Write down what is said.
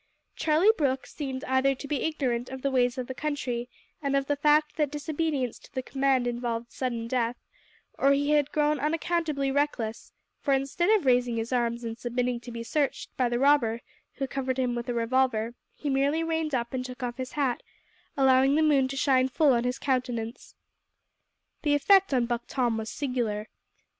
Charlie Brooke seemed either to be ignorant of the ways of the country and of the fact that disobedience to the command involved sudden death, or he had grown unaccountably reckless, for instead of raising his arms and submitting to be searched by the robber who covered him with a revolver, he merely reined up and took off his hat, allowing the moon to shine full on his countenance. The effect on Buck Tom was singular.